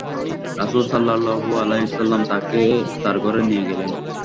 রাসূলুল্লাহ সাল্লাল্লাহু আলাইহি ওয়াসাল্লাম তাকে তাঁর ঘরে নিয়ে গেলেন।